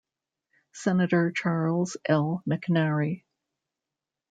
Senator Charles L. McNary.